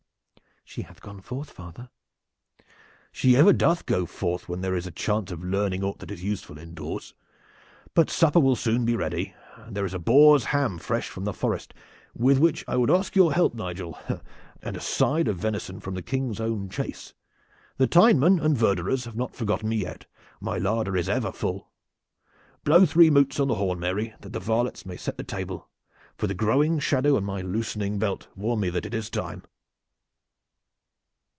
"She hath gone forth, father." "She ever doth go forth when there is a chance of learning aught that is useful indoors. But supper will soon be ready, and there is a boar's ham fresh from the forest with which I would ask your help, Nigel, and a side of venison from the King's own chase. The tinemen and verderers have not forgotten me yet, and my larder is ever full. Blow three moots on the horn, Mary, that the varlets may set the table, for the growing shadow and my loosening belt warn me that it is time."